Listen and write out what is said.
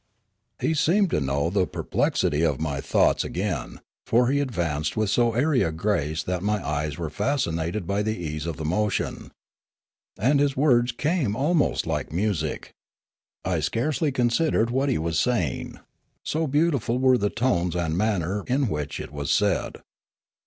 He seemed to know the perplexity of my thoughts again, for he advanced with so airy a grace that my eyes were fascinated by the ease of the motion. And his words came almost like music; I scarcely considered what he was saying, so beautiful were the tones and manner in which it was said.